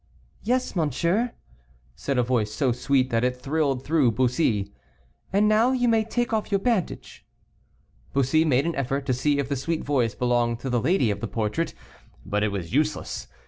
"Yes, monsieur," said a voice so sweet that it thrilled through Bussy, "and now you may take off your bandage." Bussy made an effort to see if the sweet voice belonged to the lady of the portrait, but it was useless.